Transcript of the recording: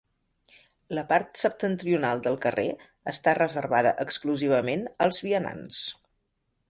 La part septentrional del carrer està reservada exclusivament als vianants.